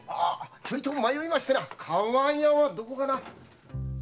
ちょいと迷いましてな厠はどこかな。